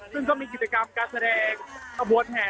ซึ่งก็มีกิจกรรมการแสดงขบวนแห่